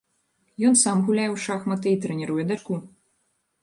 Ён сам гуляе ў шахматы і трэніруе дачку.